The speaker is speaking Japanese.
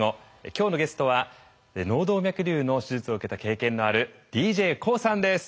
今日のゲストは脳動脈瘤の手術を受けた経験のあるＤＪＫＯＯさんです。